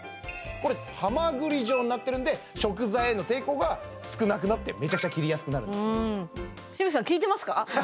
これハマグリ状になってるんで食材への抵抗が少なくなってめちゃくちゃ切りやすくなるんです紫吹さん聞いてますか？